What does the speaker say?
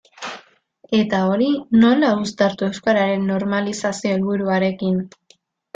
Eta hori nola uztartu euskararen normalizazio helburuarekin?